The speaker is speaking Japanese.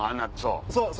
そう。